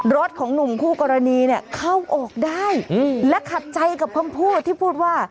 รถของหนุ่มคู่กรณีเนี่ยเข้าออกได้และขัดใจกับคำพูดที่พูดว่า